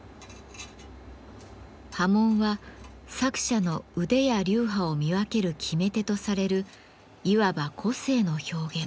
刃文は作者の腕や流派を見分ける決め手とされるいわば個性の表現。